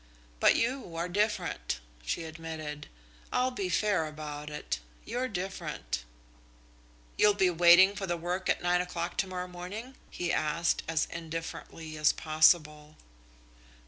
But you are different," she admitted. "I'll be fair about it you're different." "You'll be waiting for the work at nine o'clock to morrow morning?" he asked, as indifferently as possible.